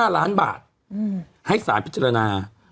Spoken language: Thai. ๕ล้านบาทให้สารพิจารณา